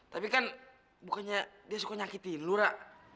tapi kan bukannya dia suka nyakitin lura